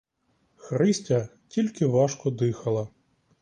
Христя тільки важко дихала.